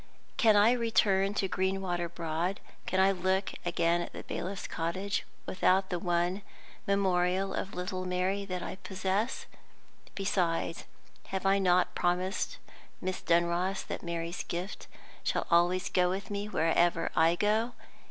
Can I return to "Greenwater Broad," can I look again at the bailiff's cottage, without the one memorial of little Mary that I possess? Besides, have I not promised Miss Dunross that Mary's gift shall always go with me wherever I go?